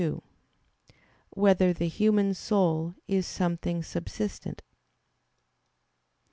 2] Whether the Human Soul Is Something Subsistent?